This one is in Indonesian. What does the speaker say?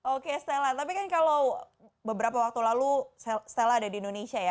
oke stella tapi kan kalau beberapa waktu lalu stella ada di indonesia ya